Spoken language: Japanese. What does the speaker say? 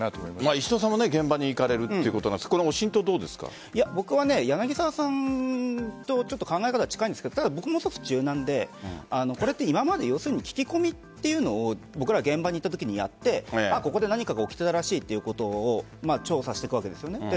石戸さんも現場に行かれるということなんですが僕は柳澤さんとちょっと考え方が違うんですが僕もうちょっと柔軟でこれって今まで要するに聞き込みというのを現場にいたときにやってここで何かが起きてたらしいということを調査していくわけです。